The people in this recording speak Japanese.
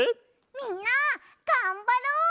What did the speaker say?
みんながんばろう！